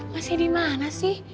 masih di mana sih